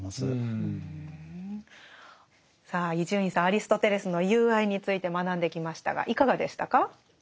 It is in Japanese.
アリストテレスの「友愛」について学んできましたがいかがでしたか？